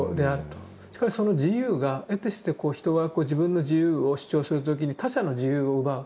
しかしその自由がえてして人は自分の自由を主張する時に他者の自由を奪う。